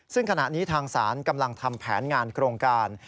ซึ่งขณะนี้ทางศาลกำลังทำแผนงานโครงการ